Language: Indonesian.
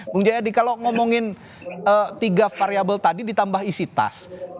bung jayadi kalau ngomongin tiga variable tadi ditambah isi tas